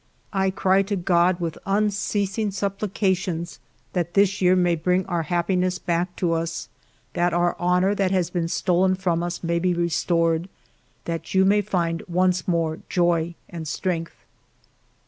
I cry to God with unceasing supplica tions that this year may bring our happiness back to uSj that our honor that has been stolen from us may be restored, that you may find once more joy and strength."